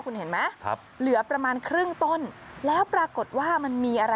คุณเห็นไหมเหลือประมาณครึ่งต้นแล้วปรากฏว่ามันมีอะไร